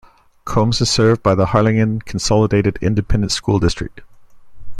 Combes is served by the Harlingen Consolidated Independent School District.